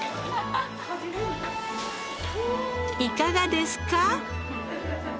いかがですか？